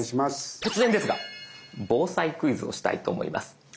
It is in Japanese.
突然ですが防災クイズをしたいと思います。